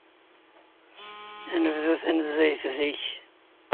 Ad nebdu tanezzayt zik.